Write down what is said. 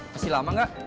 masih lama gak